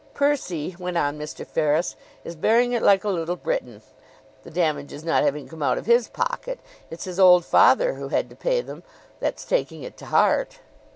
"Percy," went on Mr. Ferris, "is bearing it like a little Briton the damages not having come out of his pocket! It's his old father who had to pay them that's taking it to heart.